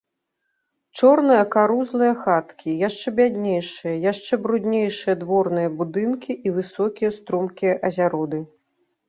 Чорныя карузлыя хаткі, яшчэ бяднейшыя, яшчэ бруднейшыя дворныя будынкі і высокія стромкія азяроды.